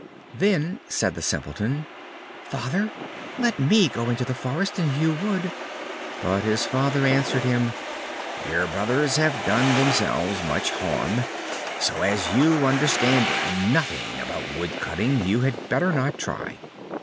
Then said the Simpleton: "Father, let me go into the forest and hew wood." But his Father answered him: "Your brothers have done themselves much harm, so as you understand nothing about wood cutting you had better not try."